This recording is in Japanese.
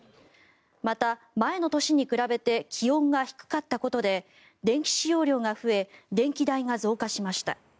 また、前の年に比べて気温が低かったことで電気使用量が増え電気代が増加しました。